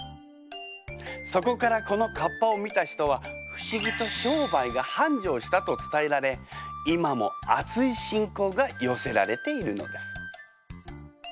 そこからこのかっぱを見た人は不思議と商売が繁盛したと伝えられ今もあつい信仰が寄せられているのです。